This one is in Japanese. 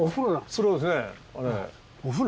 そうですねあれ。